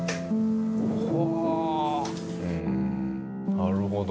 なるほど。